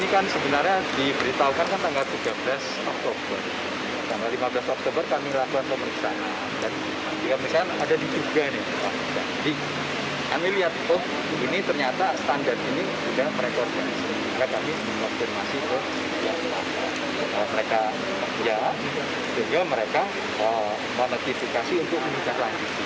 kami mengoordinasi ke mereka ya mereka menetifikasi untuk menikah lagi